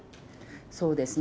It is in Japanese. そうですね。